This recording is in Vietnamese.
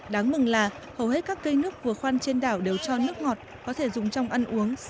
đáng mừng là hầu hết các cây nước vừa khoan trên đảo đều cho nước ngọt có thể dùng trong ăn uống